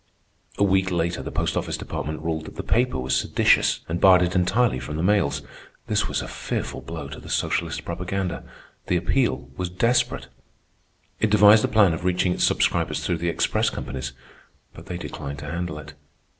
A week later the Post Office Department ruled that the paper was seditious, and barred it entirely from the mails. This was a fearful blow to the socialist propaganda. The Appeal was desperate. It devised a plan of reaching its subscribers through the express companies, but they declined to handle it.